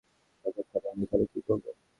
ততক্ষণ আমি এখানে কী করব?